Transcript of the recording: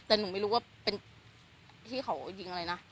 แต่หนูไม่รู้ว่าเป็นพี่เขายิงอะไรนะ